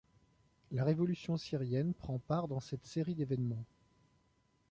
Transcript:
La révolution syrienne prend part dans cette série d'événements.